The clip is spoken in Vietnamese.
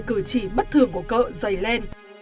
cử chỉ bất thường của cỡ dày lên